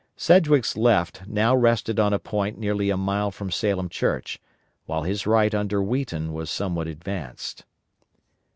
Sedgwick's left now rested on a point nearly a mile from Salem Church, while his right under Wheaton was somewhat advanced.